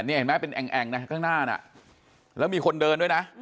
นี่เห็นไหมเป็นแอ่งนะข้างหน้าน่ะแล้วมีคนเดินด้วยนะ